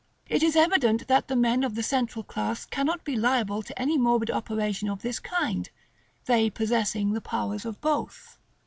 It is evident that the men of the central class cannot be liable to any morbid operation of this kind, they possessing the powers of both.